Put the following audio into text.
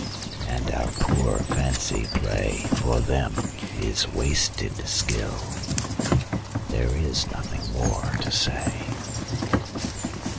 And our poor fancy play For them is wasted skill: There is nothing more to say.